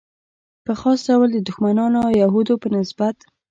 په خاص ډول د دښمنانو او یهودو په نسبت.